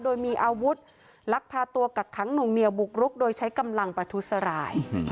โดยมีอาวุธลักพาตัวกักขังหนุ่งเหนียวบุกรุกโดยใช้กำลังประทุษราย